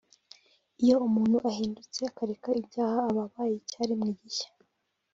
Iyo umuntu ahindutse akareka ibyaha aba abaye icyaremwe gishya